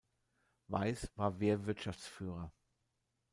Weiss war Wehrwirtschaftsführer.